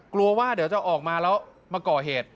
กลัวว่าเดี๋ยวจะออกมาแล้วมาก่อเหตุ